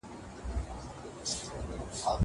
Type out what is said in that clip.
زه پرون سپينکۍ مينځلې.